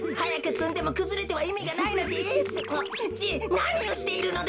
なにをしているのだ！